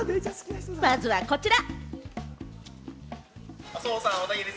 まずはこちら。